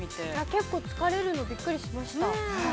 ◆結構疲れるの、びっくりしました。